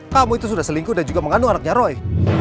kamu itu sudah selingkuh dan juga mengandung anaknya roy